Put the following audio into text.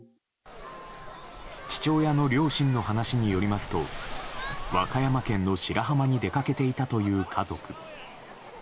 父親の両親の話によりますと和歌山県の白浜に出かけていたという家族。